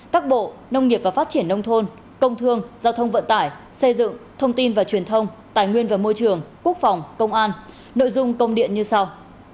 các bộ nông nghiệp và phát triển nông thôn công thương giao thông vận tải xây dựng thông tin và truyền thông tài nguyên và môi trường quốc phòng công an nội dung công điện như sau